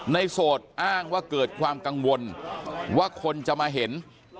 โสดอ้างว่าเกิดความกังวลว่าคนจะมาเห็น